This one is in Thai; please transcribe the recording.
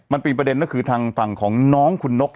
มันเป็นประเด็นก็คือทางฝั่งของน้องคุณนก